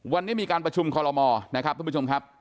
วันนี้มีการประชุมคอลโลมอนะครับท่านผู้ชมครับ